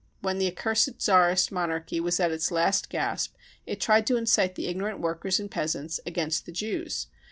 When the accursed Tsarist monarchy was at its last gasp, it tried to incite the ignorant workers and peasants against the Jews.